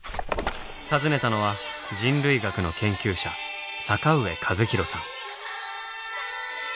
訪ねたのは人類学の研究者坂上和弘さん。